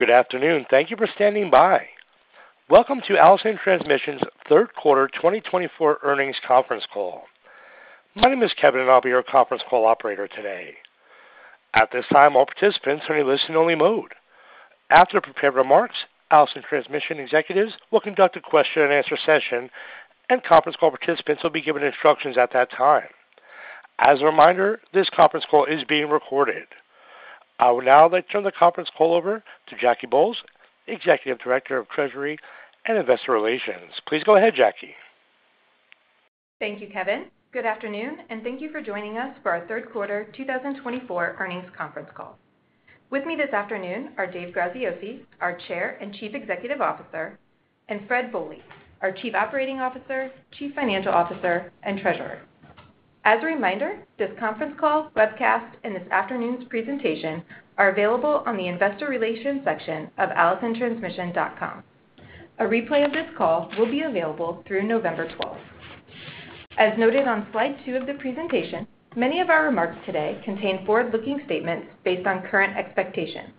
Good afternoon. Thank you for standing by. Welcome to Allison Transmission's third quarter 2024 earnings conference call. My name is Kevin, and I'll be your conference call operator today. At this time, all participants are in a listen-only mode. After I prepare remarks, Allison Transmission executives will conduct a question-and-answer session, and conference call participants will be given instructions at that time. As a reminder, this conference call is being recorded. I would now like to turn the conference call over to Jackie Bolles, Executive Director of Treasury and Investor Relations. Please go ahead, Jackie. Thank you, Kevin. Good afternoon, and thank you for joining us for our third quarter 2024 earnings conference call. With me this afternoon are Dave Graziosi, our Chair and Chief Executive Officer, and Fred Bohley, our Chief Operating Officer, Chief Financial Officer, and Treasurer. As a reminder, this conference call, webcast, and this afternoon's presentation are available on the Investor Relations section of allisontransmission.com. A replay of this call will be available through November 12th. As noted on slide two of the presentation, many of our remarks today contain forward-looking statements based on current expectations.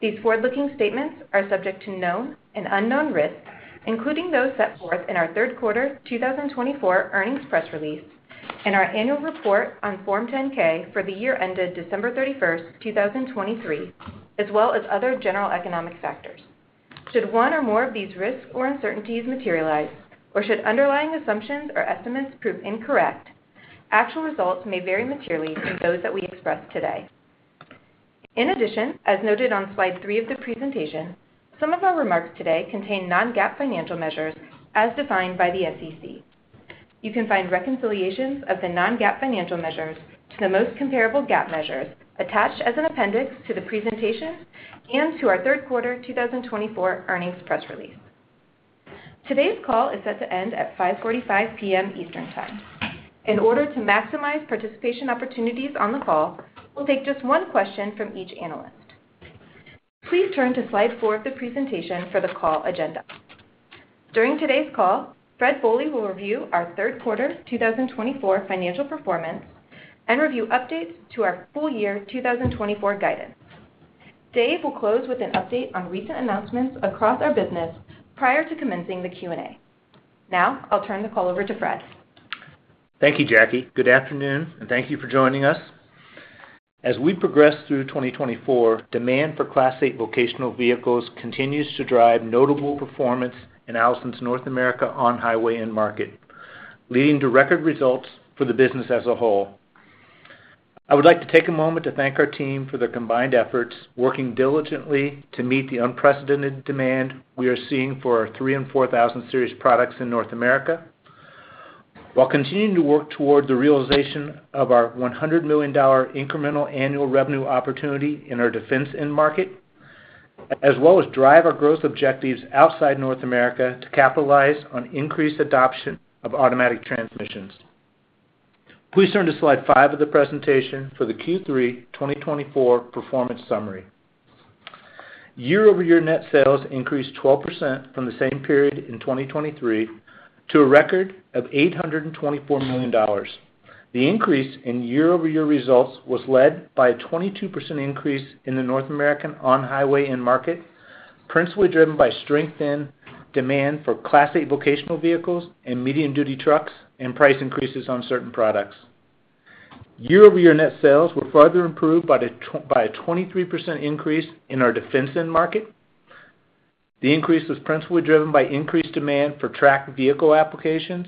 These forward-looking statements are subject to known and unknown risks, including those set forth in our third quarter 2024 earnings press release and our annual report on Form 10-K for the year ended December 31st, 2023, as well as other general economic factors. Should one or more of these risks or uncertainties materialize, or should underlying assumptions or estimates prove incorrect, actual results may vary materially from those that we express today. In addition, as noted on slide three of the presentation, some of our remarks today contain non-GAAP financial measures as defined by the SEC. You can find reconciliations of the non-GAAP financial measures to the most comparable GAAP measures attached as an appendix to the presentation and to our third quarter 2024 earnings press release. Today's call is set to end at 5:45 P.M. Eastern Time. In order to maximize participation opportunities on the call, we'll take just one question from each analyst. Please turn to slide four of the presentation for the call agenda. During today's call, Fred Bohley will review our third quarter 2024 financial performance and review updates to our full year 2024 guidance. Dave will close with an update on recent announcements across our business prior to commencing the Q&A. Now, I'll turn the call over to Fred. Thank you, Jackie. Good afternoon, and thank you for joining us. As we progress through 2024, demand for Class 8 vocational vehicles continues to drive notable performance in Allison's North America on-highway end market, leading to record results for the business as a whole. I would like to take a moment to thank our team for their combined efforts, working diligently to meet the unprecedented demand we are seeing for our 3 and 4,000 series products in North America, while continuing to work toward the realization of our $100 million incremental annual revenue opportunity in our defense end market, as well as drive our growth objectives outside North America to capitalize on increased adoption of automatic transmissions. Please turn to slide five of the presentation for the Q3 2024 performance summary. Year-over-year net sales increased 12% from the same period in 2023 to a record of $824 million. The increase in year-over-year results was led by a 22% increase in the North American on-highway end market, principally driven by strength in demand for Class 8 vocational vehicles and medium-duty trucks and price increases on certain products. Year-over-year net sales were further improved by a 23% increase in our defense end market. The increase was principally driven by increased demand for tracked vehicle applications.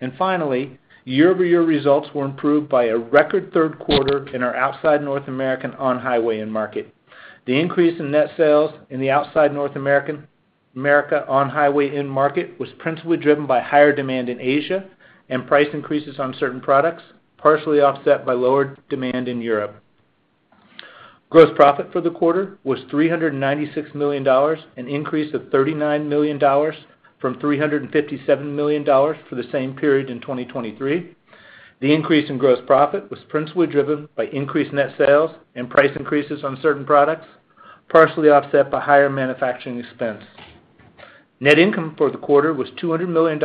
And finally, year-over-year results were improved by a record third quarter in our outside North America on-highway end market. The increase in net sales in the outside North America on-highway end market was principally driven by higher demand in Asia and price increases on certain products, partially offset by lower demand in Europe. Gross profit for the quarter was $396 million, an increase of $39 million from $357 million for the same period in 2023. The increase in gross profit was principally driven by increased net sales and price increases on certain products, partially offset by higher manufacturing expense. Net income for the quarter was $200 million,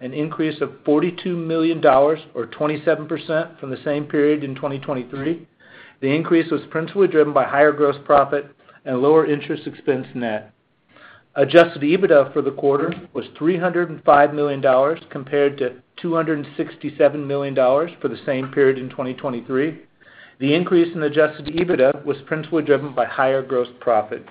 an increase of $42 million, or 27% from the same period in 2023. The increase was principally driven by higher gross profit and lower interest expense net. Adjusted EBITDA for the quarter was $305 million compared to $267 million for the same period in 2023. The increase in adjusted EBITDA was principally driven by higher gross profit.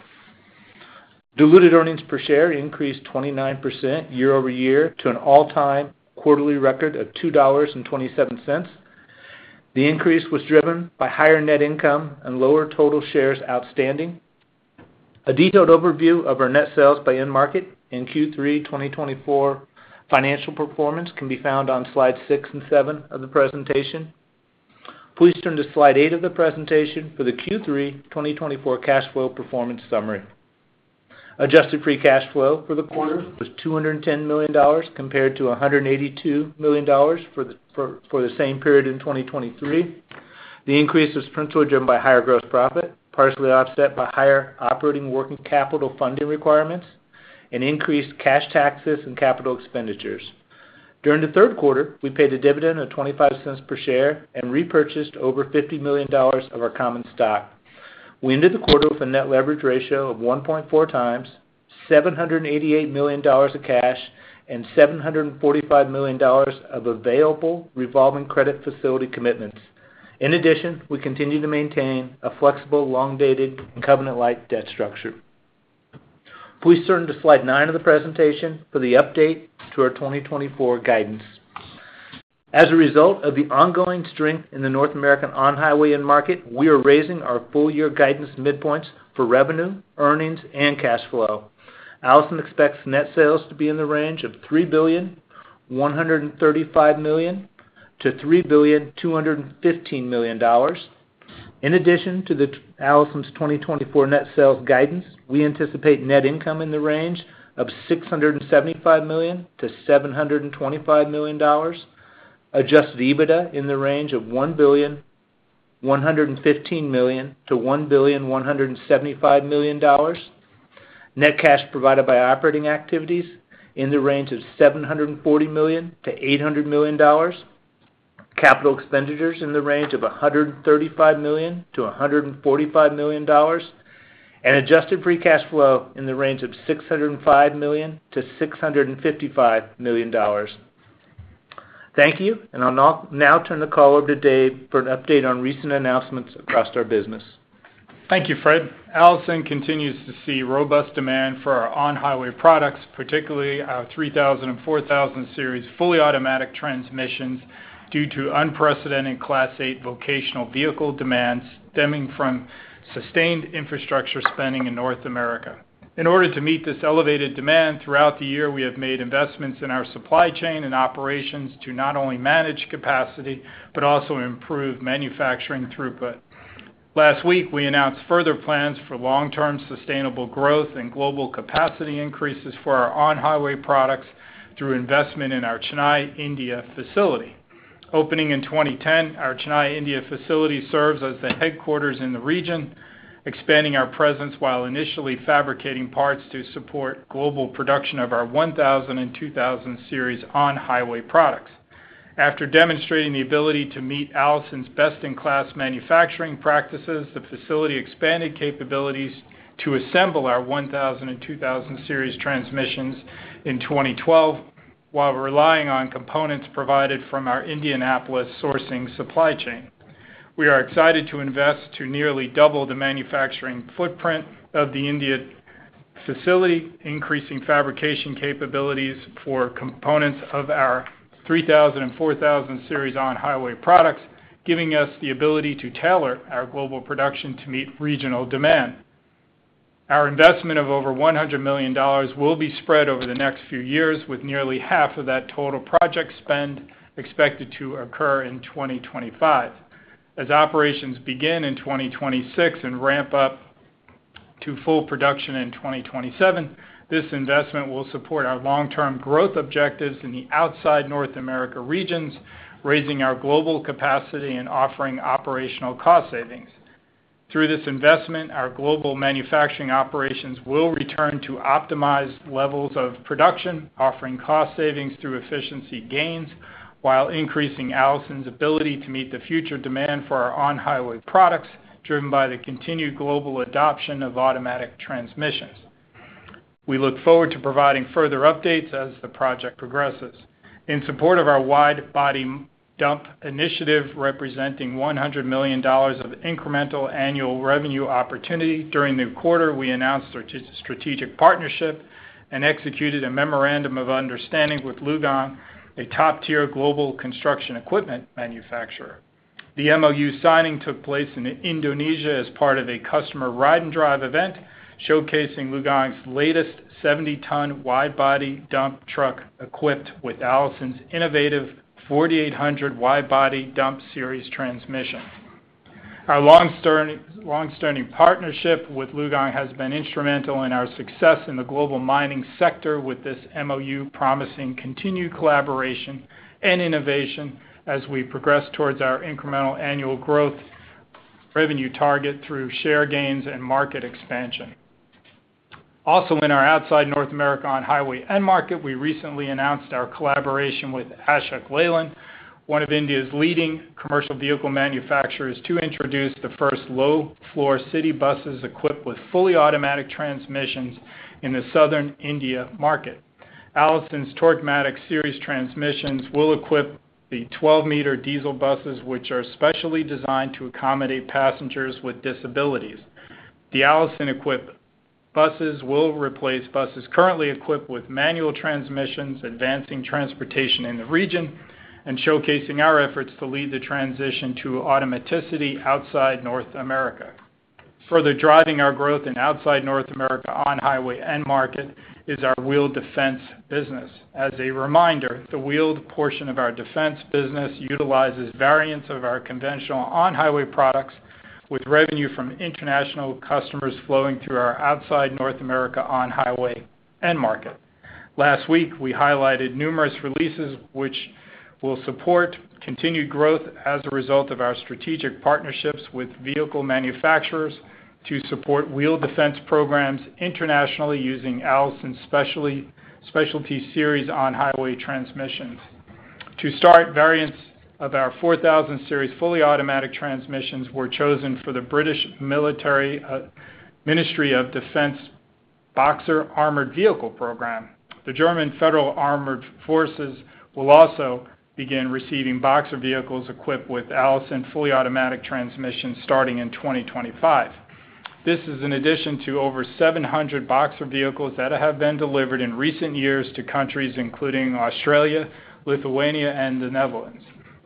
Diluted earnings per share increased 29% year-over-year to an all-time quarterly record of $2.27. The increase was driven by higher net income and lower total shares outstanding. A detailed overview of our net sales by end market and Q3 2024 financial performance can be found on slides six and seven of the presentation. Please turn to slide eight of the presentation for the Q3 2024 cash flow performance summary. Adjusted free cash flow for the quarter was $210 million compared to $182 million for the same period in 2023. The increase was principally driven by higher gross profit, partially offset by higher operating working capital funding requirements, and increased cash taxes and capital expenditures. During the third quarter, we paid a dividend of $0.25 per share and repurchased over $50 million of our common stock. We ended the quarter with a net leverage ratio of 1.4 times, $788 million of cash and $745 million of available revolving credit facility commitments. In addition, we continue to maintain a flexible, long-dated, and covenant-like debt structure. Please turn to slide nine of the presentation for the update to our 2024 guidance. As a result of the ongoing strength in the North American on-highway end market, we are raising our full year guidance midpoints for revenue, earnings, and cash flow. Allison expects net sales to be in the range of $3,135 million-$3,215 million. In addition to Allison's 2024 net sales guidance, we anticipate net income in the range of $675 million-$725 million, adjusted EBITDA in the range of $1,115 million-$1,175 million, net cash provided by operating activities in the range of $740 million-$800 million, capital expenditures in the range of $135 million-$145 million, and adjusted free cash flow in the range of $605 million-$655 million. Thank you, and I'll now turn the call over to David for an update on recent announcements across our business. Thank you, Fred. Allison continues to see robust demand for our on-highway products, particularly our 3000 and 4000 Series fully automatic transmissions, due to unprecedented Class 8 vocational vehicle demands stemming from sustained infrastructure spending in North America. In order to meet this elevated demand throughout the year, we have made investments in our supply chain and operations to not only manage capacity but also improve manufacturing throughput. Last week, we announced further plans for long-term sustainable growth and global capacity increases for our on-highway products through investment in our Chennai, India, facility. Opening in 2010, our Chennai, India, facility serves as the headquarters in the region, expanding our presence while initially fabricating parts to support global production of our 1000 and 2000 Series on-highway products. After demonstrating the ability to meet Allison's best-in-class manufacturing practices, the facility expanded capabilities to assemble our 1,000 and 2,000 series transmissions in 2012 while relying on components provided from our Indianapolis sourcing supply chain. We are excited to invest to nearly double the manufacturing footprint of the Indian facility, increasing fabrication capabilities for components of our 3,000 and 4,000 series on-highway products, giving us the ability to tailor our global production to meet regional demand. Our investment of over $100 million will be spread over the next few years, with nearly half of that total project spend expected to occur in 2025. As operations begin in 2026 and ramp up to full production in 2027, this investment will support our long-term growth objectives in the outside North America regions, raising our global capacity and offering operational cost savings. Through this investment, our global manufacturing operations will return to optimized levels of production, offering cost savings through efficiency gains while increasing Allison's ability to meet the future demand for our on-highway products, driven by the continued global adoption of automatic transmissions. We look forward to providing further updates as the project progresses. In support of our Wide Body Dump initiative, representing $100 million of incremental annual revenue opportunity during the quarter, we announced our strategic partnership and executed a memorandum of understanding with LiuGong, a top-tier global construction equipment manufacturer. The MOU signing took place in Indonesia as part of a customer ride-and-drive event, showcasing LiuGong's latest 70-ton Wide Body Dump truck equipped with Allison's innovative 4800 WBD Series transmission. Our long-standing partnership with LiuGong has been instrumental in our success in the global mining sector, with this MOU promising continued collaboration and innovation as we progress towards our incremental annual growth revenue target through share gains and market expansion. Also, in our outside North America on-highway end market, we recently announced our collaboration with Ashok Leyland, one of India's leading commercial vehicle manufacturers, to introduce the first low-floor city buses equipped with fully automatic transmissions in the southern India market. Allison's Torqmatic Series transmissions will equip the 12 m diesel buses, which are specially designed to accommodate passengers with disabilities. The Allison-equipped buses will replace buses currently equipped with manual transmissions, advancing transportation in the region and showcasing our efforts to lead the transition to automaticity outside North America. Further driving our growth in outside North America on-highway end market is our wheeled defense business. As a reminder, the wheeled portion of our defense business utilizes variants of our conventional on-highway products, with revenue from international customers flowing through our outside North America on-highway end market. Last week, we highlighted numerous releases, which will support continued growth as a result of our strategic partnerships with vehicle manufacturers to support wheeled defense programs internationally using Allison's Specialty Series on-highway transmissions. To start, variants of our 4000 Series fully automatic transmissions were chosen for the U.K. Ministry of Defence Boxer Armored Vehicle program. The German Federal Armored Forces will also begin receiving Boxer vehicles equipped with Allison fully automatic transmissions starting in 2025. This is in addition to over 700 Boxer vehicles that have been delivered in recent years to countries including Australia, Lithuania, and the Netherlands.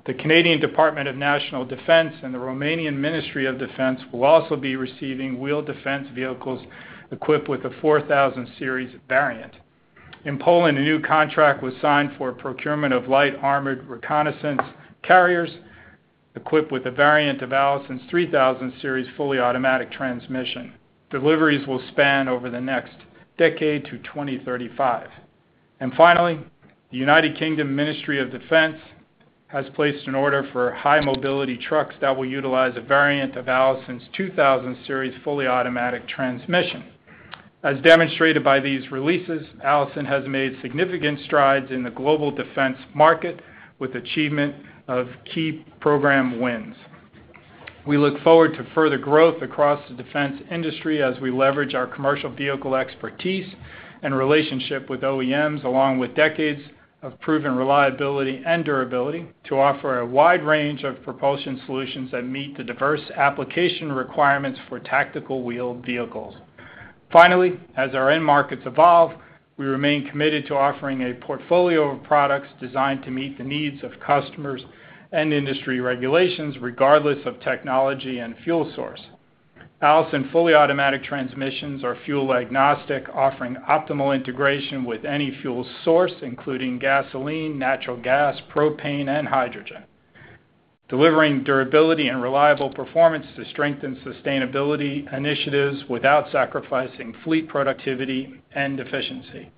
The Canadian Department of National Defence and the Romanian Ministry of National Defence will also be receiving wheeled defense vehicles equipped with a 4000 Series variant. In Poland, a new contract was signed for procurement of light armored reconnaissance carriers equipped with a variant of Allison's 3000 Series fully automatic transmission. Deliveries will span over the next decade to 2035. And finally, the United Kingdom Ministry of Defence has placed an order for high mobility trucks that will utilize a variant of Allison's 2000 Series fully automatic transmission. As demonstrated by these releases, Allison has made significant strides in the global defense market with achievement of key program wins. We look forward to further growth across the defense industry as we leverage our commercial vehicle expertise and relationship with OEMs, along with decades of proven reliability and durability, to offer a wide range of propulsion solutions that meet the diverse application requirements for tactical wheeled vehicles. Finally, as our end markets evolve, we remain committed to offering a portfolio of products designed to meet the needs of customers and industry regulations, regardless of technology and fuel source. Allison fully automatic transmissions are fuel agnostic, offering optimal integration with any fuel source, including gasoline, natural gas, propane, and hydrogen, delivering durability and reliable performance to strengthen sustainability initiatives without sacrificing fleet productivity and efficiency.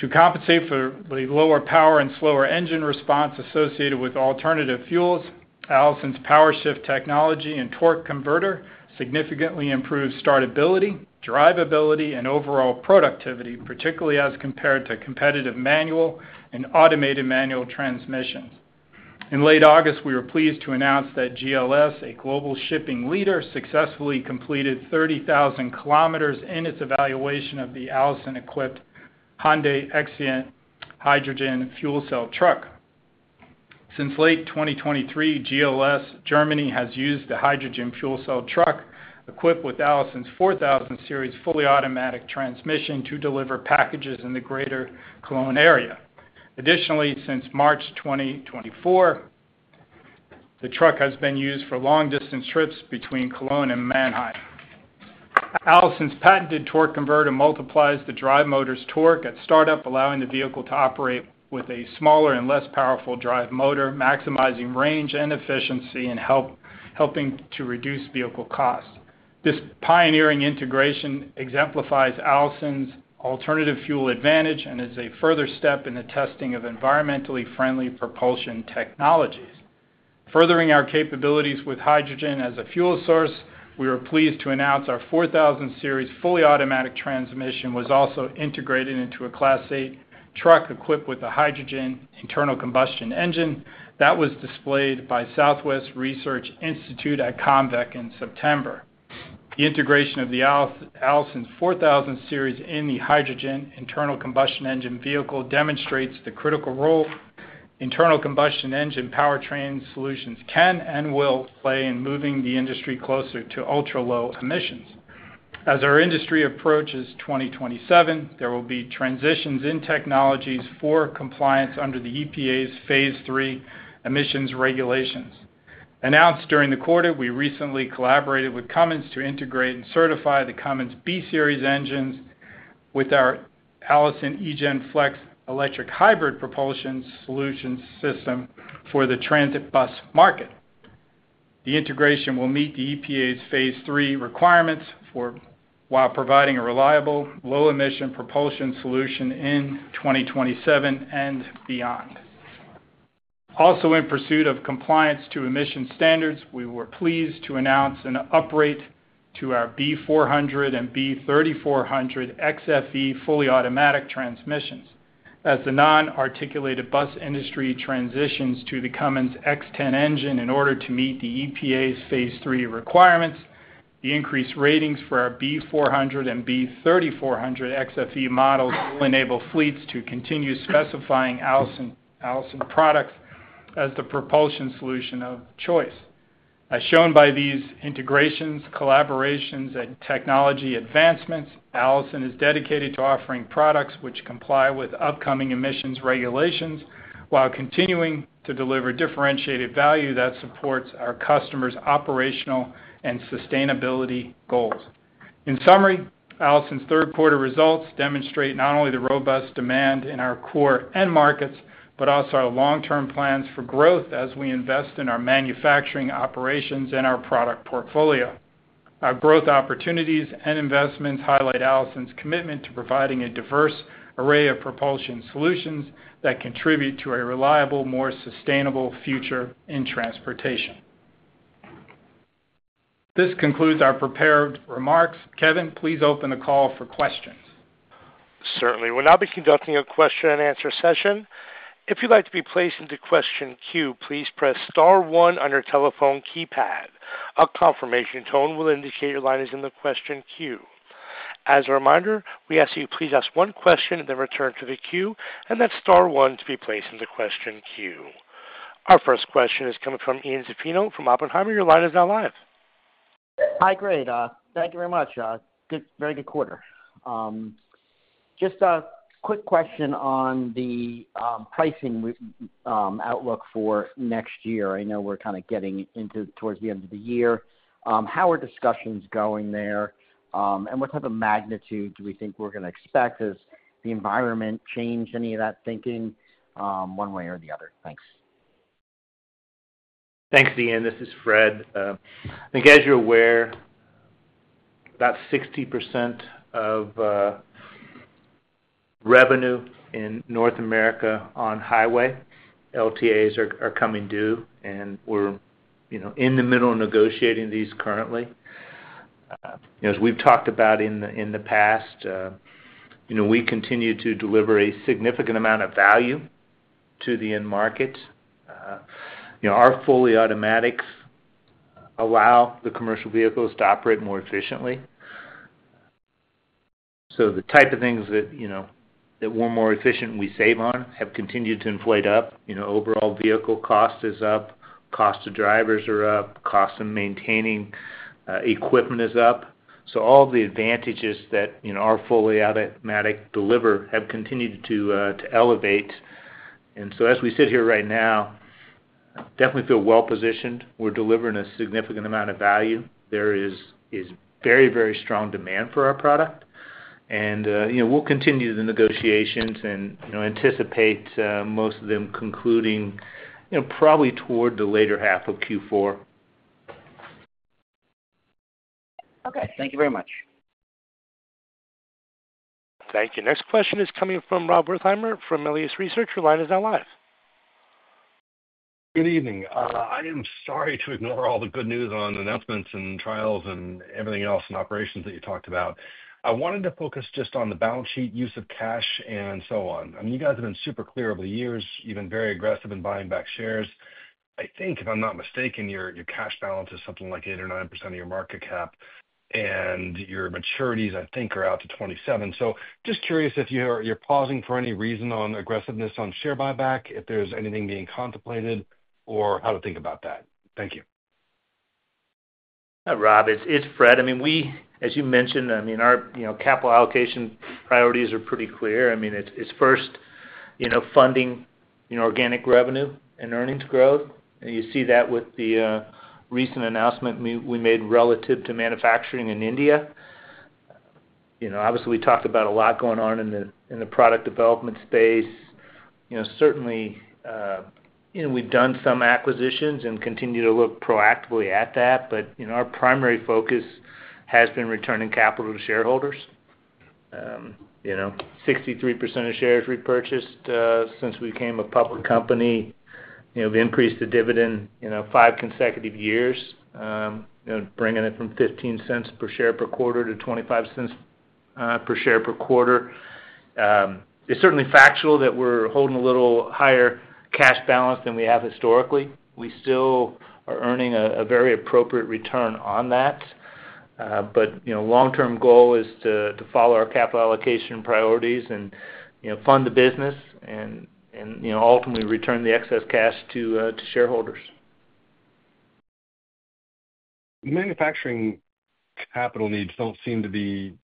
To compensate for the lower power and slower engine response associated with alternative fuels, Allison's PowerShift technology and torque converter significantly improve startability, drivability, and overall productivity, particularly as compared to competitive manual and automated manual transmissions. In late August, we were pleased to announce that GLS, a global shipping leader, successfully completed 30,000 km in its evaluation of the Allison-equipped Hyundai XCIENT hydrogen fuel cell truck. Since late 2023, GLS Germany has used the hydrogen fuel cell truck equipped with Allison's 4000 Series fully automatic transmission to deliver packages in the greater Cologne area. Additionally, since March 2024, the truck has been used for long-distance trips between Cologne and Mannheim. Allison's patented torque converter multiplies the drive motor's torque at startup, allowing the vehicle to operate with a smaller and less powerful drive motor, maximizing range and efficiency and helping to reduce vehicle costs. This pioneering integration exemplifies Allison's alternative fuel advantage and is a further step in the testing of environmentally friendly propulsion technologies. Furthering our capabilities with hydrogen as a fuel source, we are pleased to announce our 4000 Series fully automatic transmission was also integrated into a Class 8 truck equipped with a hydrogen internal combustion engine that was displayed by Southwest Research Institute at COMVEC in September. The integration of the Allison 4000 Series in the hydrogen internal combustion engine vehicle demonstrates the critical role internal combustion engine powertrain solutions can and will play in moving the industry closer to ultra-low emissions. As our industry approaches 2027, there will be transitions in technologies for compliance under the EPA's Phase 3 emissions regulations. Announced during the quarter, we recently collaborated with Cummins to integrate and certify the Cummins B Series engines with our Allison eGen Flex electric hybrid propulsion solution system for the transit bus market. The integration will meet the EPA's phase III requirements while providing a reliable, low-emission propulsion solution in 2027 and beyond. Also, in pursuit of compliance to emission standards, we were pleased to announce an uprate to our B400 and B3400 XFE fully automatic transmissions. As the non-articulated bus industry transitions to the Cummins X10 engine in order to meet the EPA's phase III requirements, the increased ratings for our B400 and B3400 XFE models will enable fleets to continue specifying Allison products as the propulsion solution of choice. As shown by these integrations, collaborations, and technology advancements, Allison is dedicated to offering products which comply with upcoming emissions regulations while continuing to deliver differentiated value that supports our customers' operational and sustainability goals. In summary, Allison's third-quarter results demonstrate not only the robust demand in our core end markets but also our long-term plans for growth as we invest in our manufacturing operations and our product portfolio. Our growth opportunities and investments highlight Allison's commitment to providing a diverse array of propulsion solutions that contribute to a reliable, more sustainable future in transportation. This concludes our prepared remarks. Kevin, please open the call for questions. Certainly. We'll now be conducting a question-and-answer session. If you'd like to be placed into question queue, please press star one on your telephone keypad. A confirmation tone will indicate your line is in the question queue. As a reminder, we ask that you please ask one question and then return to the queue, and that's star one to be placed into question queue. Our first question is coming from Ian Zaffino from Oppenheimer. Your line is now live. Hi, great. Thank you very much. Very good quarter. Just a quick question on the pricing outlook for next year. I know we're kind of getting into towards the end of the year. How are discussions going there, and what type of magnitude do we think we're going to expect? Has the environment changed any of that thinking one way or the other? Thanks. Thanks, Ian. This is Fred. I think, as you're aware, about 60% of revenue in North America on-highway LTAs are coming due, and we're in the middle of negotiating these currently. As we've talked about in the past, we continue to deliver a significant amount of value to the end market. Our fully automatics allow the commercial vehicles to operate more efficiently. So the type of things that we're more efficient and we save on have continued to inflate up. Overall vehicle cost is up, cost to drivers are up, cost to maintaining equipment is up. So all of the advantages that our fully automatic deliver have continued to elevate. And so, as we sit here right now, definitely feel well-positioned. We're delivering a significant amount of value. There is very, very strong demand for our product, and we'll continue the negotiations and anticipate most of them concluding probably toward the later half of Q4. Okay. Thank you very much. Thank you. Next question is coming from Rob Wertheimer from Melius Research. Your line is now live. Good evening. I am sorry to ignore all the good news on announcements and trials and everything else and operations that you talked about. I wanted to focus just on the balance sheet use of cash and so on. I mean, you guys have been super clear over the years. You've been very aggressive in buying back shares. I think, if I'm not mistaken, your cash balance is something like 8 or 9% of your market cap, and your maturities, I think, are out to 2027. So just curious if you're pausing for any reason on aggressiveness on share buyback, if there's anything being contemplated, or how to think about that. Thank you. Hi, Rob. It's Fred. I mean, as you mentioned, I mean, our capital allocation priorities are pretty clear. I mean, it's first funding organic revenue and earnings growth. You see that with the recent announcement we made relative to manufacturing in India. Obviously, we talked about a lot going on in the product development space. Certainly, we've done some acquisitions and continue to look proactively at that, but our primary focus has been returning capital to shareholders. 63% of shares repurchased since we became a public company. We've increased the dividend five consecutive years, bringing it from $0.15 per share per quarter to $0.25 per share per quarter. It's certainly factual that we're holding a little higher cash balance than we have historically. We still are earning a very appropriate return on that, but long-term goal is to follow our capital allocation priorities and fund the business and ultimately return the excess cash to shareholders. Manufacturing capital needs don't seem to be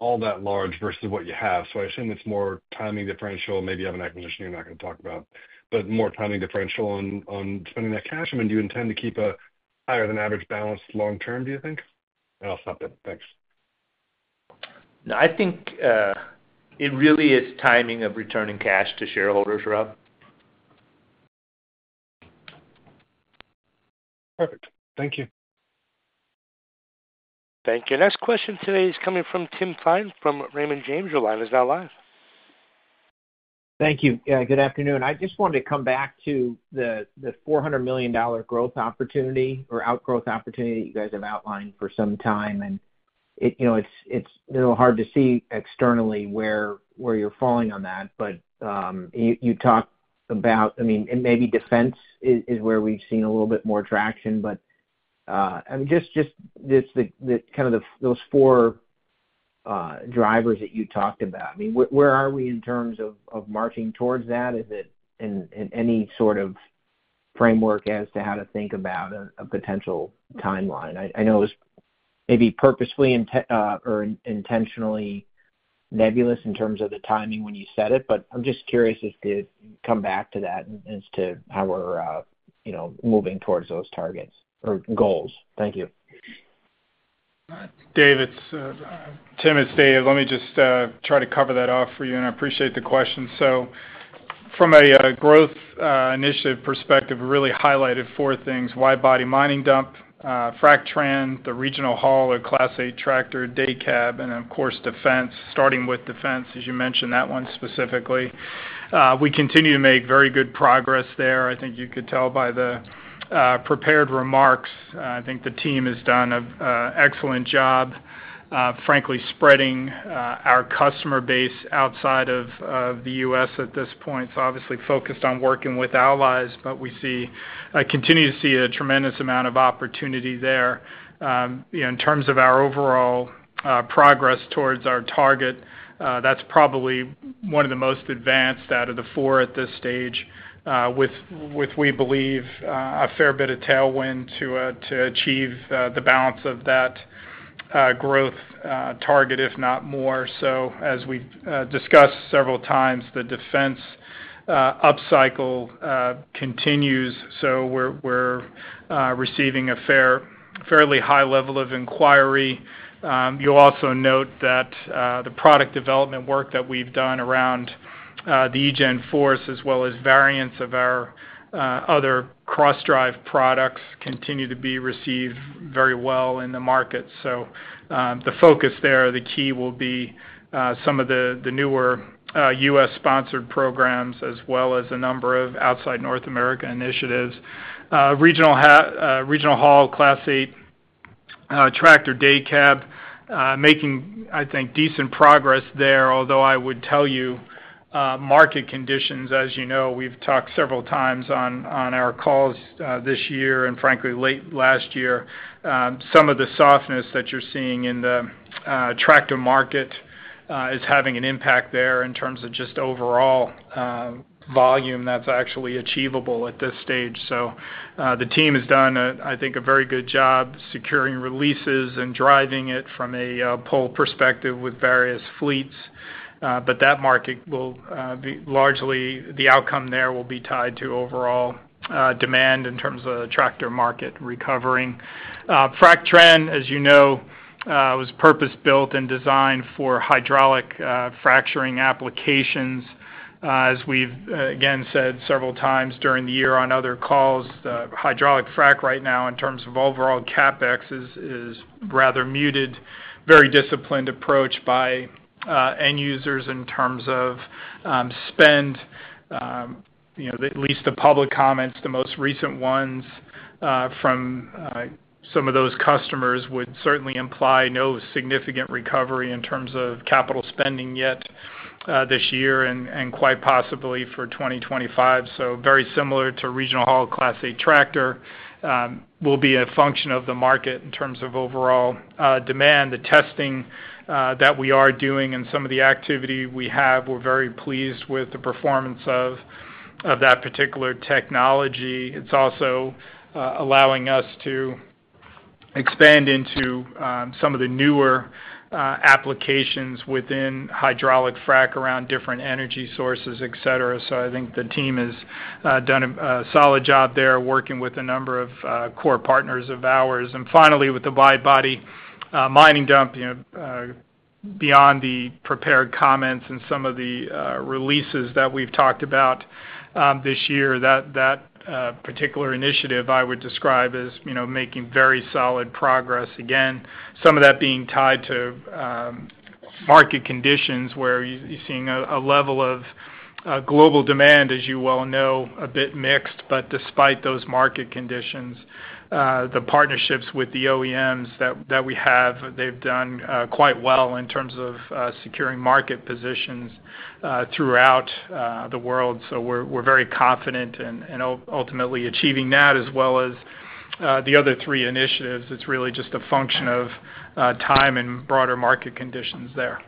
all that large versus what you have, so I assume it's more timing differential. Maybe you have an acquisition you're not going to talk about, but more timing differential on spending that cash. I mean, do you intend to keep a higher-than-average balance long-term, do you think? And I'll stop there. Thanks. I think it really is timing of returning cash to shareholders, Rob. Perfect. Thank you. Thank you. Next question today is coming from Tim Thein from Raymond James. Your line is now live. Thank you. Good afternoon. I just wanted to come back to the $400 million growth opportunity or outgrowth opportunity that you guys have outlined for some time. And it's a little hard to see externally where you're falling on that, but you talked about, I mean, maybe defense is where we've seen a little bit more traction, but I mean, just kind of those four drivers that you talked about. I mean, where are we in terms of marching towards that? Is it in any sort of framework as to how to think about a potential timeline? I know it was maybe purposefully or intentionally nebulous in terms of the timing when you said it, but I'm just curious if you could come back to that as to how we're moving towards those targets or goals. Thank you. David, it's Tim. It's Dave. Let me just try to cover that off for you, and I appreciate the question. So from a growth initiative perspective, we really highlighted four things: wide body mining dump, FracTran, the Regional Haul, Class 8 tractor, Day Cab, and of course, Defense, starting with Defense, as you mentioned, that one specifically. We continue to make very good progress there. I think you could tell by the prepared remarks. I think the team has done an excellent job, frankly, spreading our customer base outside of the U.S. at this point. So obviously focused on working with allies, but we continue to see a tremendous amount of opportunity there. In terms of our overall progress towards our target, that's probably one of the most advanced out of the four at this stage, with, we believe, a fair bit of tailwind to achieve the balance of that growth target, if not more. So as we've discussed several times, the defense upcycle continues, so we're receiving a fairly high level of inquiry. You'll also note that the product development work that we've done around the eGen Force, as well as variants of our other Cross-Drive products, continue to be received very well in the market. So the focus there, the key, will be some of the newer U.S.-sponsored programs as well as a number of outside North America initiatives. Regional Haul, Class 8 tractor, Day Cab, making, I think, decent progress there, although I would tell you market conditions, as you know, we've talked several times on our calls this year and, frankly, late last year, some of the softness that you're seeing in the tractor market is having an impact there in terms of just overall volume that's actually achievable at this stage. So the team has done, I think, a very good job securing releases and driving it from a pull perspective with various fleets, but that market will be largely the outcome there will be tied to overall demand in terms of the tractor market recovering. FracTran, as you know, was purpose-built and designed for hydraulic fracturing applications. As we've, again, said several times during the year on other calls, hydraulic frac right now in terms of overall CapEx is rather muted, very disciplined approach by end users in terms of spend. At least the public comments, the most recent ones from some of those customers would certainly imply no significant recovery in terms of capital spending yet this year and quite possibly for 2025, so very similar to Regional Haul, Class 8 tractor, will be a function of the market in terms of overall demand. The testing that we are doing and some of the activity we have, we're very pleased with the performance of that particular technology. It's also allowing us to expand into some of the newer applications within hydraulic frac around different energy sources, etc. So I think the team has done a solid job there working with a number of core partners of ours. And finally, with the Wide Body Mining Dump, beyond the prepared comments and some of the releases that we've talked about this year, that particular initiative I would describe as making very solid progress. Again, some of that being tied to market conditions where you're seeing a level of global demand, as you well know, a bit mixed, but despite those market conditions, the partnerships with the OEMs that we have, they've done quite well in terms of securing market positions throughout the world. So we're very confident in ultimately achieving that as well as the other three initiatives. It's really just a function of time and broader market conditions there.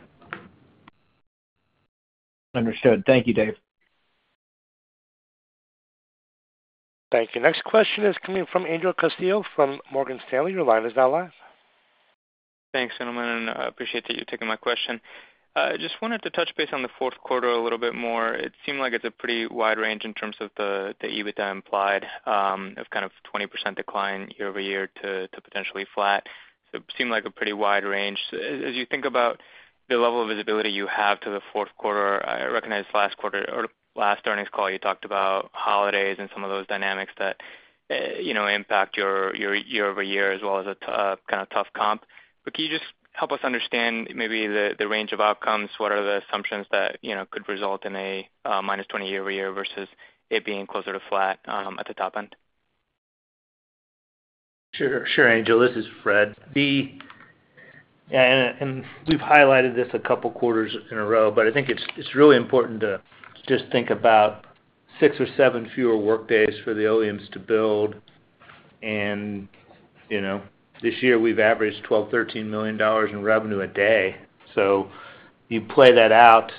Understood. Thank you, David. Thank you. Next question is coming from Angel Castillo from Morgan Stanley. Your line is now live. Thanks, gentlemen, and appreciate that you're taking my question. Just wanted to touch base on the fourth quarter a little bit more. It seemed like it's a pretty wide range in terms of the EBITDA implied of kind of 20% decline year over year to potentially flat. So it seemed like a pretty wide range. As you think about the level of visibility you have to the fourth quarter, I recognize last quarter or last earnings call, you talked about holidays and some of those dynamics that impact your year over year as well as a kind of tough comp. But can you just help us understand maybe the range of outcomes? What are the assumptions that could result in a minus 20% year over year versus it being closer to flat at the top end? Sure. Sure, Angel. This is Fred. And we've highlighted this a couple quarters in a row, but I think it's really important to just think about six or seven fewer workdays for the OEMs to build. And this year, we've averaged $12-$13 million in revenue a day. So you play that out.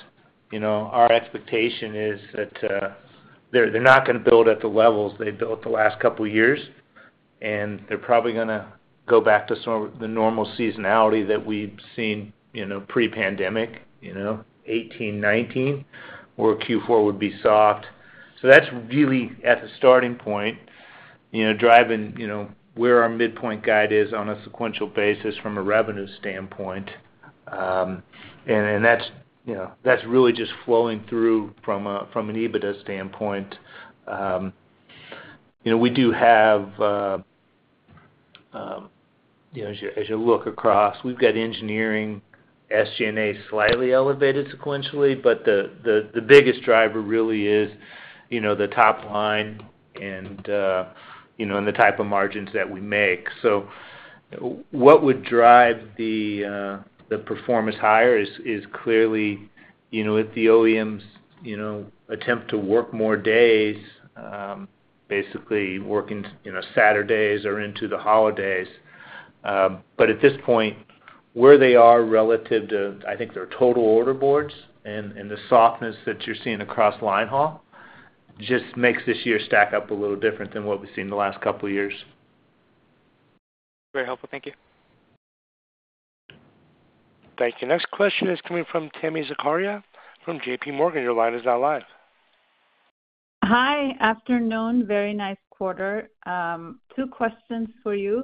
Our expectation is that they're not going to build at the levels they built the last couple of years, and they're probably going to go back to the normal seasonality that we've seen pre-pandemic, 2018, 2019, where Q4 would be soft. So that's really at the starting point, driving where our midpoint guide is on a sequential basis from a revenue standpoint. And that's really just flowing through from an EBITDA standpoint. We do have, as you look across, we've got engineering, SG&A slightly elevated sequentially, but the biggest driver really is the top line and the type of margins that we make. So what would drive the performance higher is clearly with the OEMs' attempt to work more days, basically working Saturdays or into the holidays. But at this point, where they are relative to, I think, their total order boards and the softness that you're seeing across linehaul just makes this year stack up a little different than what we've seen the last couple of years. Very helpful. Thank you. Thank you. Next question is coming from Tami Zakaria from JPMorgan. Your line is now live. Hi. Afternoon. Very nice quarter. Two questions for you.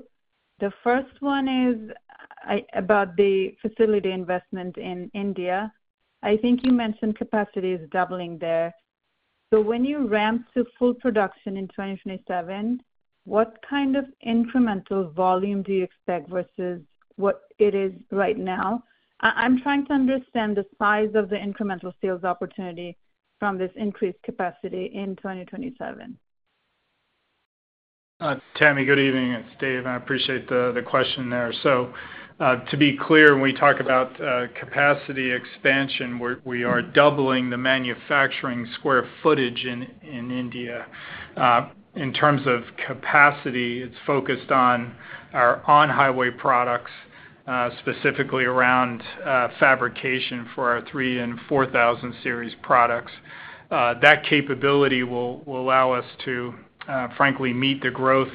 The first one is about the facility investment in India. I think you mentioned capacity is doubling there. So when you ramp to full production in 2027, what kind of incremental volume do you expect versus what it is right now? I'm trying to understand the size of the incremental sales opportunity from this increased capacity in 2027. Tami, good evening. It's Dave. I appreciate the question there. So to be clear, when we talk about capacity expansion, we are doubling the manufacturing square footage in India. In terms of capacity, it's focused on our on-highway products, specifically around fabrication for our 3000 and 4000 Series products. That capability will allow us to, frankly, meet the growth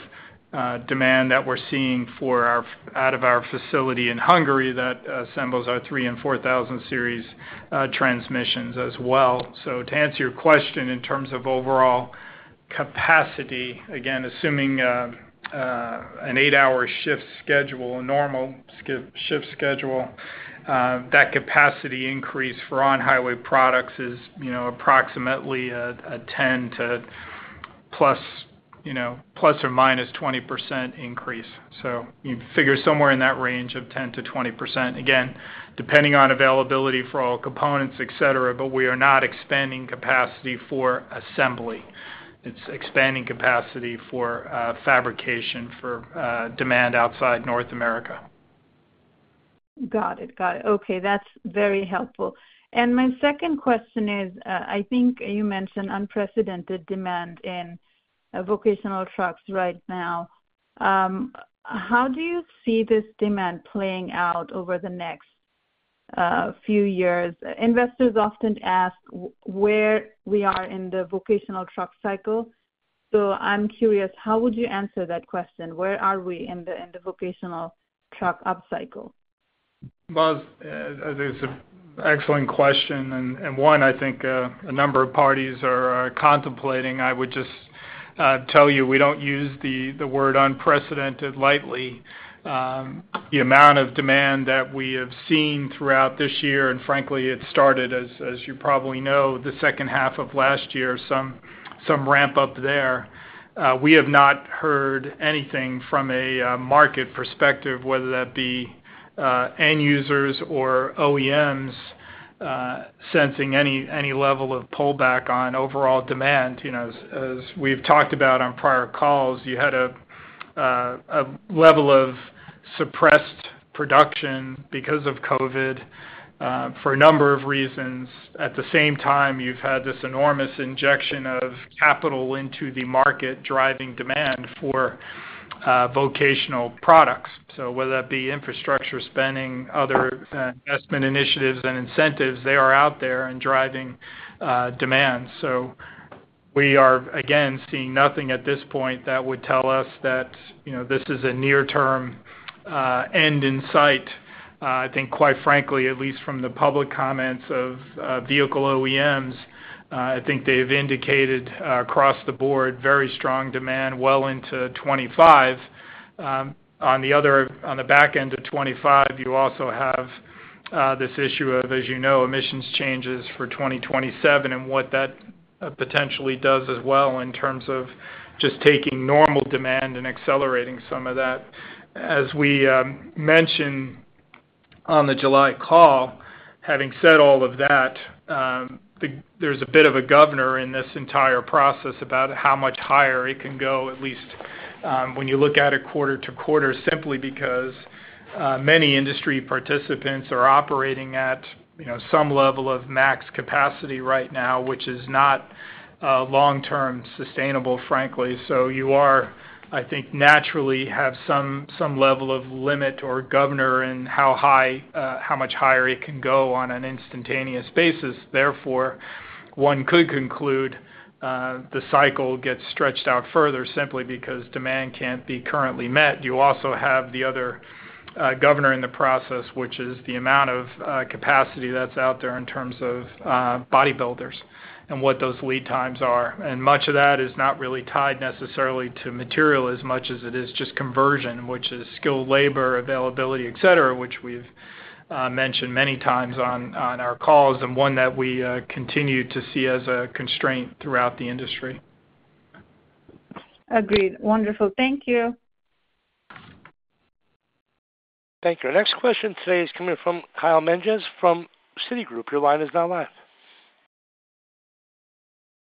demand that we're seeing out of our facility in Hungary that assembles our 3000 and 4000 Series transmissions as well. To answer your question, in terms of overall capacity, again, assuming an eight-hour shift schedule, a normal shift schedule, that capacity increase for on-highway products is approximately a 10% to plus or -20% increase. So you figure somewhere in that range of 10%-20%. Again, depending on availability for all components, etc., but we are not expanding capacity for assembly. It's expanding capacity for fabrication for demand outside North America. Got it. Got it. Okay. That's very helpful. And my second question is, I think you mentioned unprecedented demand in vocational trucks right now. How do you see this demand playing out over the next few years? Investors often ask where we are in the vocational truck cycle. So I'm curious, how would you answer that question? Where are we in the vocational truck upcycle? Well, it's an excellent question. And one, I think a number of parties are contemplating. I would just tell you we don't use the word unprecedented lightly. The amount of demand that we have seen throughout this year, and frankly, it started, as you probably know, the second half of last year, some ramp-up there. We have not heard anything from a market perspective, whether that be end users or OEMs sensing any level of pullback on overall demand. As we've talked about on prior calls, you had a level of suppressed production because of COVID for a number of reasons. At the same time, you've had this enormous injection of capital into the market driving demand for vocational products. So whether that be infrastructure spending, other investment initiatives, and incentives, they are out there and driving demand. So we are, again, seeing nothing at this point that would tell us that this is a near-term end in sight. I think, quite frankly, at least from the public comments of vehicle OEMs, I think they have indicated across the board very strong demand well into 2025. On the back end of 2025, you also have this issue of, as you know, emissions changes for 2027 and what that potentially does as well in terms of just taking normal demand and accelerating some of that. As we mentioned on the July call, having said all of that, there's a bit of a governor in this entire process about how much higher it can go, at least when you look at it quarter to quarter, simply because many industry participants are operating at some level of max capacity right now, which is not long-term sustainable, frankly. So you are, I think, naturally have some level of limit or governor in how much higher it can go on an instantaneous basis. Therefore, one could conclude the cycle gets stretched out further simply because demand can't be currently met. You also have the other governor in the process, which is the amount of capacity that's out there in terms of bodybuilders and what those lead times are. And much of that is not really tied necessarily to material as much as it is just conversion, which is skilled labor, availability, etc., which we've mentioned many times on our calls and one that we continue to see as a constraint throughout the industry. Agreed. Wonderful. Thank you. Thank you. Next question today is coming from Kyle Murray from Citigroup. Your line is now live.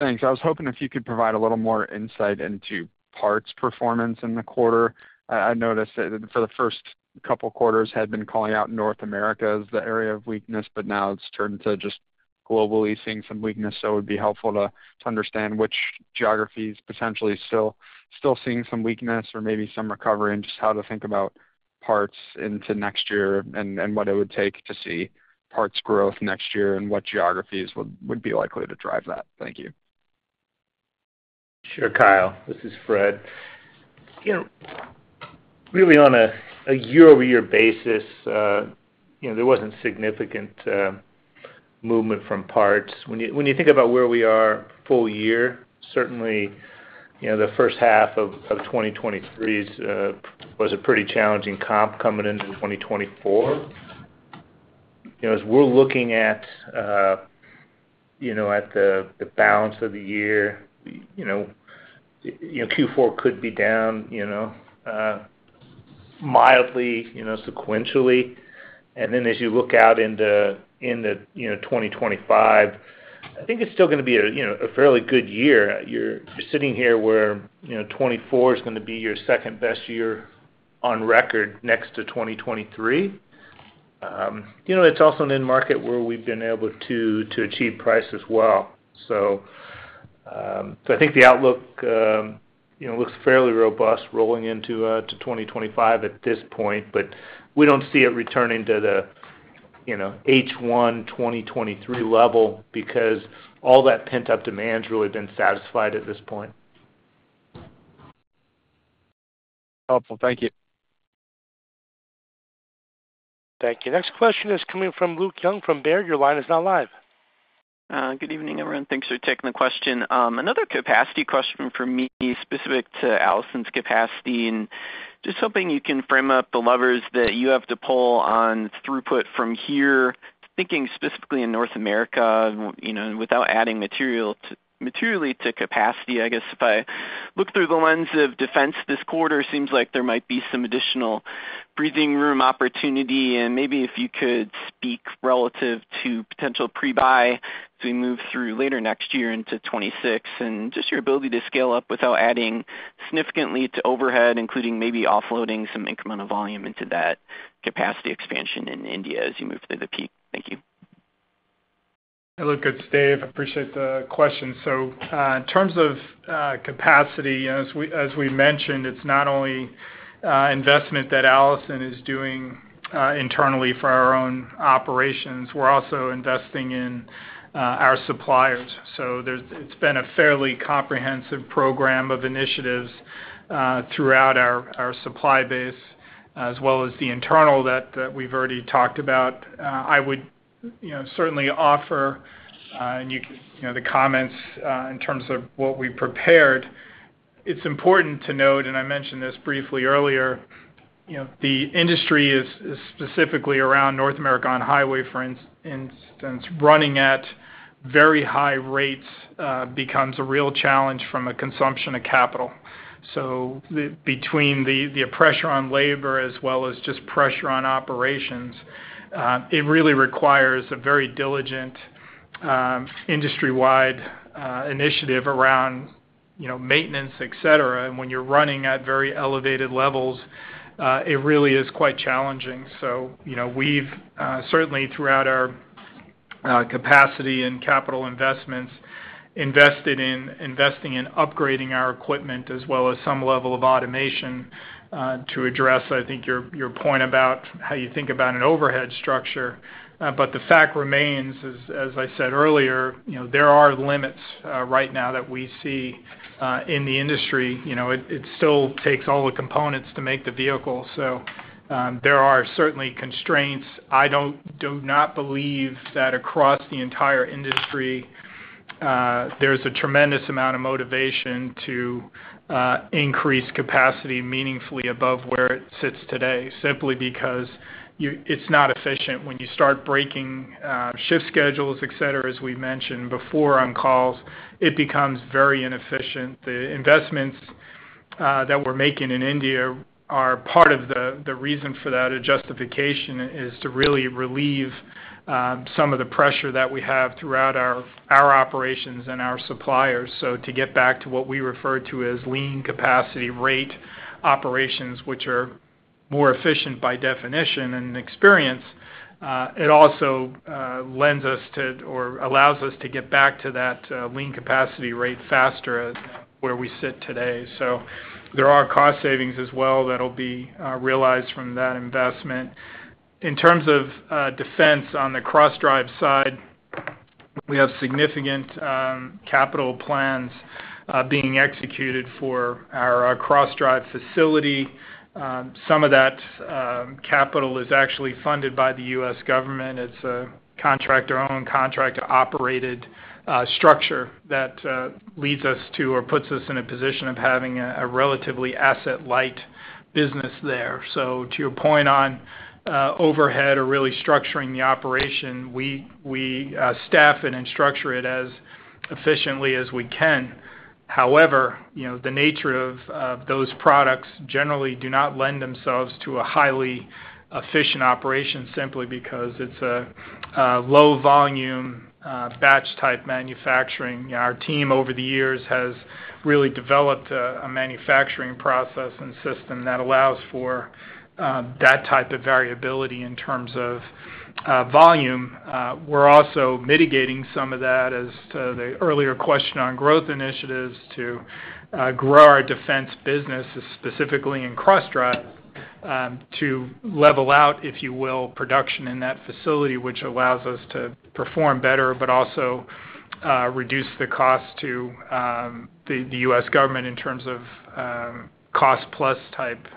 Thanks. I was hoping if you could provide a little more insight into parts performance in the quarter. I noticed that for the first couple quarters, had been calling out North America as the area of weakness, but now it's turned to just globally seeing some weakness. So it would be helpful to understand which geographies potentially still seeing some weakness or maybe some recovery and just how to think about parts into next year and what it would take to see parts growth next year and what geographies would be likely to drive that. Thank you. Sure, Kyle. This is Fred. Really, on a year-over-year basis, there wasn't significant movement from parts. When you think about where we are full year, certainly the first half of 2023 was a pretty challenging comp coming into 2024. As we're looking at the balance of the year, Q4 could be down mildly sequentially. And then as you look out into 2025, I think it's still going to be a fairly good year. You're sitting here where 2024 is going to be your second best year on record next to 2023. It's also an end market where we've been able to achieve price as well. So I think the outlook looks fairly robust rolling into 2025 at this point, but we don't see it returning to the H1 2023 level because all that pent-up demand's really been satisfied at this point. Helpful. Thank you. Thank you. Next question is coming from Luke Junk from Baird. Your line is now live. Good evening, everyone. Thanks for taking the question. Another capacity question for me specific to Allison's capacity and just hoping you can frame up the levers that you have to pull on throughput from here, thinking specifically in North America without adding materially to capacity. I guess if I look through the lens of defense, this quarter seems like there might be some additional breathing room opportunity. And maybe if you could speak relative to potential pre-buy as we move through later next year into 2026 and just your ability to scale up without adding significantly to overhead, including maybe offloading some incremental volume into that capacity expansion in India as you move through the peak. Thank you. Hello. Good, David. Appreciate the question. So in terms of capacity, as we mentioned, it's not only investment that Allison is doing internally for our own operations. We're also investing in our suppliers. So it's been a fairly comprehensive program of initiatives throughout our supply base as well as the internal that we've already talked about. I would certainly offer, and you can see the comments in terms of what we prepared. It's important to note, and I mentioned this briefly earlier, the industry is specifically around North America on-highway, for instance, running at very high rates becomes a real challenge from a consumption of capital. So between the pressure on labor as well as just pressure on operations, it really requires a very diligent industry-wide initiative around maintenance, etc. And when you're running at very elevated levels, it really is quite challenging. So we've certainly, throughout our capacity and capital investments, invested in upgrading our equipment as well as some level of automation to address, I think, your point about how you think about an overhead structure. The fact remains, as I said earlier, there are limits right now that we see in the industry. It still takes all the components to make the vehicle. So there are certainly constraints. I do not believe that across the entire industry, there's a tremendous amount of motivation to increase capacity meaningfully above where it sits today simply because it's not efficient. When you start breaking shift schedules, etc., as we mentioned before on calls, it becomes very inefficient. The investments that we're making in India are part of the reason for that. A justification is to really relieve some of the pressure that we have throughout our operations and our suppliers. So to get back to what we refer to as lean capacity rate operations, which are more efficient by definition and experience, it also lends us to or allows us to get back to that lean capacity rate faster where we sit today. So there are cost savings as well that will be realized from that investment. In terms of defense on the Cross-Drive side, we have significant capital plans being executed for our Cross-Drive facility. Some of that capital is actually funded by the U.S. government. It's a contract-owned, contract-operated structure that leads us to or puts us in a position of having a relatively asset-light business there. So to your point on overhead or really structuring the operation, we staff and structure it as efficiently as we can. However, the nature of those products generally do not lend themselves to a highly efficient operation simply because it's a low-volume batch-type manufacturing. Our team, over the years, has really developed a manufacturing process and system that allows for that type of variability in terms of volume. We're also mitigating some of that as to the earlier question on growth initiatives to grow our defense business, specifically in Cross-Drive, to level out, if you will, production in that facility, which allows us to perform better but also reduce the cost to the U.S. government in terms of cost-plus type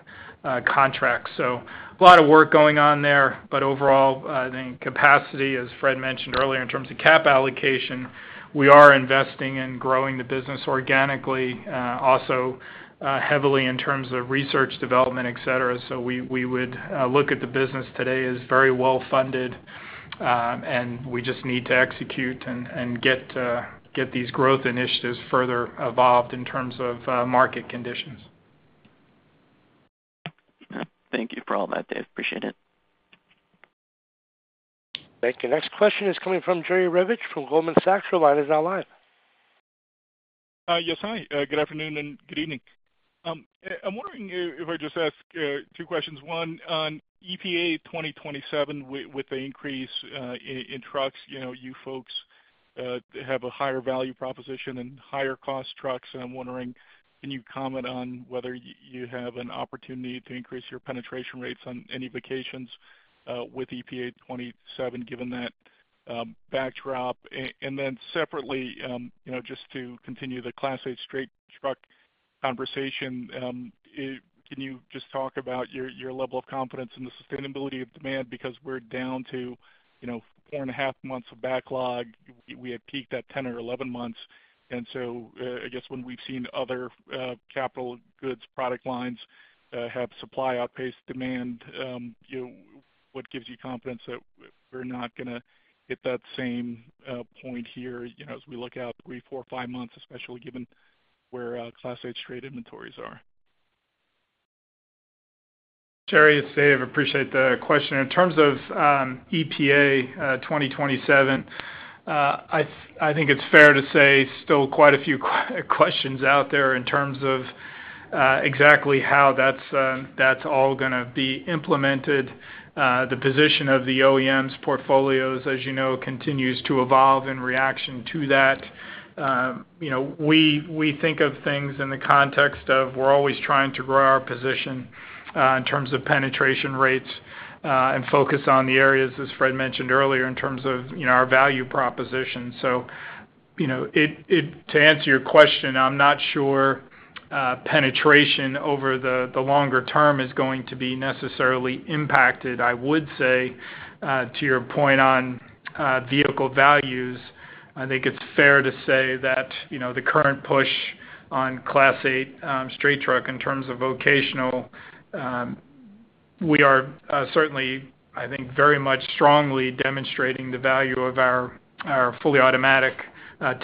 contracts. A lot of work is going on there. Overall, I think capacity, as Fred mentioned earlier, in terms of cap allocation, we are investing in growing the business organically, also heavily in terms of research development, etc. So we would look at the business today as very well-funded, and we just need to execute and get these growth initiatives further evolved in terms of market conditions. Thank you for all that, David. Appreciate it. Thank you. Next question is coming from Jerry Revich from Goldman Sachs. Your line is now live. Yes, hi. Good afternoon and good evening. I'm wondering if I just ask two questions. One, on EPA 2027 with the increase in trucks, you folks have a higher value proposition and higher cost trucks. And I'm wondering, can you comment on whether you have an opportunity to increase your penetration rates on any vocational with EPA 2027, given that backdrop? And then separately, just to continue the Class 8 straight truck conversation, can you just talk about your level of confidence in the sustainability of demand? Because we're down to four and a half months of backlog. We had peaked at 10 or 11 months, and so I guess when we've seen other capital goods product lines have supply outpace demand, what gives you confidence that we're not going to hit that same point here as we look out three, four, five months, especially given where Class 8 straight inventories are? Jerry, it's Dave. Appreciate the question. In terms of EPA 2027, I think it's fair to say still quite a few questions out there in terms of exactly how that's all going to be implemented. The position of the OEMs' portfolios, as you know, continues to evolve in reaction to that. We think of things in the context of we're always trying to grow our position in terms of penetration rates and focus on the areas, as Fred mentioned earlier, in terms of our value proposition. So to answer your question, I'm not sure penetration over the longer term is going to be necessarily impacted. I would say, to your point on vehicle values, I think it's fair to say that the current push on Class 8 straight truck in terms of vocational, we are certainly, I think, very much strongly demonstrating the value of our fully automatic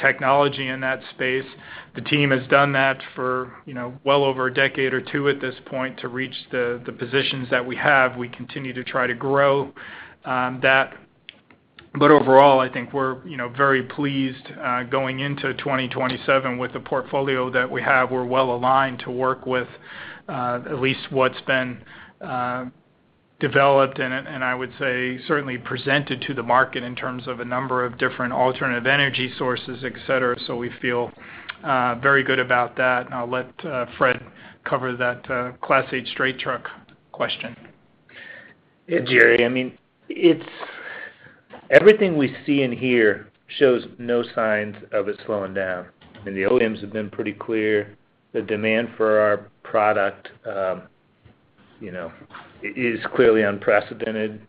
technology in that space. The team has done that for well over a decade or two at this point to reach the positions that we have. We continue to try to grow that. But overall, I think we're very pleased going into 2027 with the portfolio that we have. We're well aligned to work with at least what's been developed and, I would say, certainly presented to the market in terms of a number of different alternative energy sources, etc. So we feel very good about that. And I'll let Fred cover that Class A straight truck question. Yeah, Jerry, I mean, everything we see in here shows no signs of it slowing down. I mean, the OEMs have been pretty clear. The demand for our product is clearly unprecedented.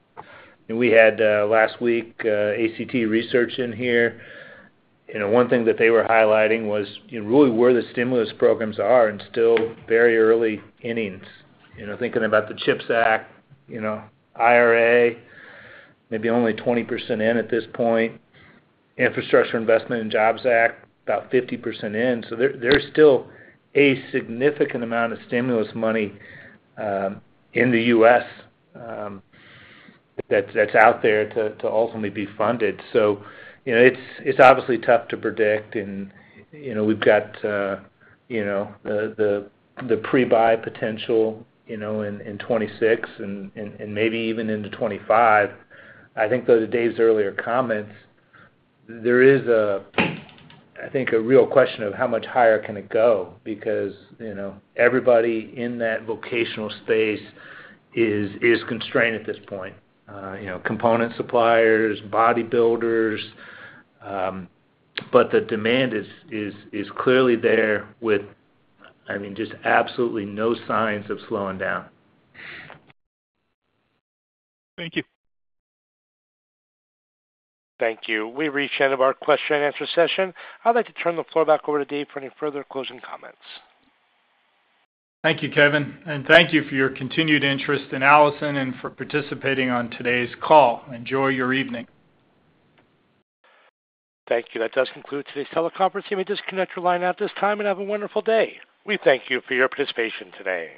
We had last week ACT Research in here. One thing that they were highlighting was really where the stimulus programs are and still very early innings. Thinking about the CHIPS Act, IRA, maybe only 20% in at this point. Infrastructure Investment and Jobs Act, about 50% in. So there's still a significant amount of stimulus money in the U.S. that's out there to ultimately be funded. So it's obviously tough to predict. And we've got the pre-buy potential in 2026 and maybe even into 2025. I think those are Dave's earlier comments. There is, I think, a real question of how much higher can it go because everybody in that vocational space is constrained at this point: component suppliers, bodybuilders. But the demand is clearly there with, I mean, just absolutely no signs of slowing down. Thank you. Thank you. We've reached the end of our question-and-answer session. I'd like to turn the floor back over to Dave for any further closing comments. Thank you, Kevin. And thank you for your continued interest in Allison and for participating on today's call. Enjoy your evening. Thank you. That does conclude today's teleconference. You may disconnect your line at this time and have a wonderful day. We thank you for your participation today.